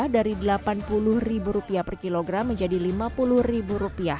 dari rp delapan puluh per kilogram menjadi rp lima puluh